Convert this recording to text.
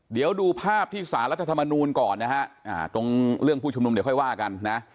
เดี๋ยวดูภาพที่สารรัฐธรรมนูลก่อนนะฮะตรงเรื่องผู้ชุมนุมเดี๋ยวค่อยว่ากันนะ